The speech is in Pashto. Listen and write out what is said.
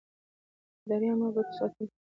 اداره د عامه ګټو ساتنه تضمینوي.